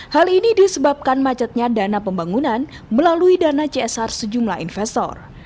hal ini disebabkan macetnya dana pembangunan melalui dana csr sejumlah investor